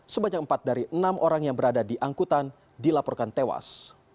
sebanyak empat dari enam orang yang berada di angkutan dilaporkan tewas